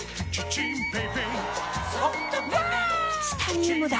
チタニウムだ！